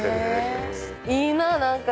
いいなぁ何か。